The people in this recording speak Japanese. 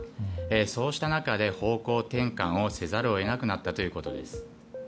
そうした中で方向転換をせざるを得なくなったということです。